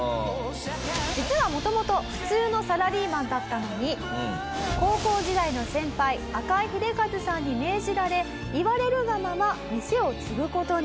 実は元々普通のサラリーマンだったのに高校時代の先輩赤井英和さんに命じられ言われるがまま店を継ぐ事に。